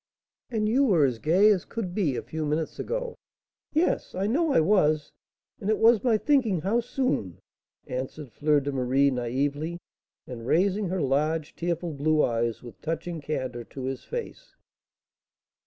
"And you were as gay as could be a few minutes ago." "Yes, I know I was; and it was my thinking how soon " answered Fleur de Marie, naïvely, and raising her large, tearful blue eyes, with touching candour, to his face.